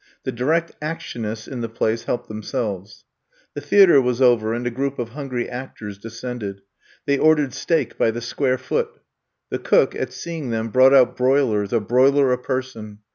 The Direct Actionists in the place helped themselves. The theater was over and a group of hungry actors descended. They ordered steak by the square foot. The cook, at see ing them, brought out broilers, a broiler a person.